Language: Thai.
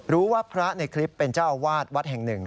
พระในคลิปเป็นเจ้าอาวาสวัดแห่งหนึ่ง